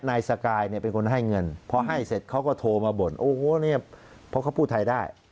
นายสกายเป็นคนให้เงินเพราะให้เศษเขาก็โทรมาบ่นโอ้วไมเค้าพูดไทยได้